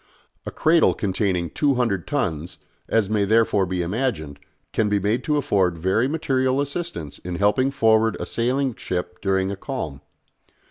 A cradle containing 200 tons, as may therefore be imagined, can be made to afford very material assistance in helping forward a sailing ship during a calm.